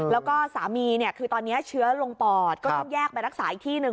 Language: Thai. แล้วก็สามีเนี่ยคือตอนนี้เชื้อลงปอดก็ต้องแยกไปรักษาอีกที่หนึ่ง